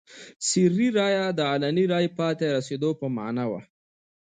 سري رایه د علني رایې پای ته رسېدو په معنا وه.